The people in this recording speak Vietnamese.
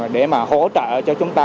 để mà hỗ trợ cho chúng ta